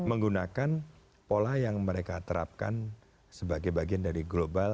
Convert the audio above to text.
menggunakan pola yang mereka terapkan sebagai bagian dari global